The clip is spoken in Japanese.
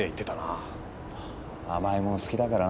甘いもの好きだからな。